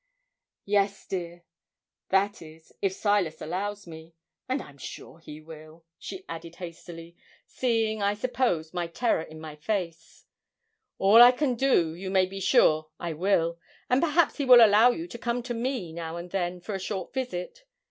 'Yes, dear; that is if Silas allows me; and I'm sure he will,' she added hastily, seeing, I suppose, my terror in my face. 'All I can do, you may be sure I will, and perhaps he will allow you to come to me, now and then, for a short visit.